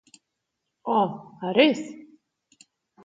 Oh, a res?